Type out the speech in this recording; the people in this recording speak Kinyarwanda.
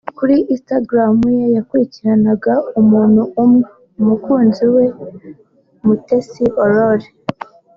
kuri Instagram ye yakurikiraga(follow) umuntu umwe [umukunzi we Mutesi Aurore]